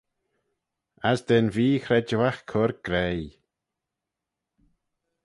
As da'n vee-chredjueagh cur graih!